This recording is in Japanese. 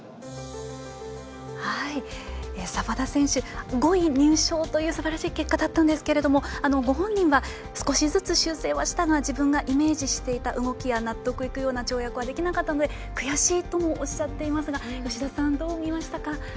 澤田選手は５位入賞というすばらしい結果だったんですがご本人は少しずつ修正はしたが自分がイメージしていた動きや納得いく跳躍ができなかったので悔しいともおっしゃっていますが吉田さん、どう見ましたか。